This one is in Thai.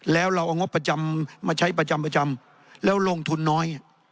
แล้วเราเอางบประจำมาใช้ประจำประจำแล้วลงทุนน้อย